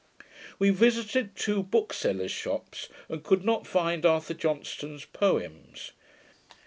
We visited two booksellers' shops, and could not find Arthur Johnston's Poems.